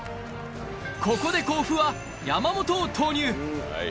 ここで甲府は山本を投入。